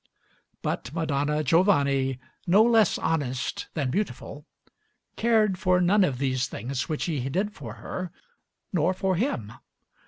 But Madonna Giovanni, no less honest than beautiful, cared for none of these things which he did for her, nor for him.